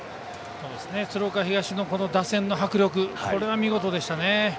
鶴岡東の打線の迫力これは見事でしたね。